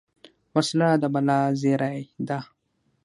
وسله د بلا زېری ده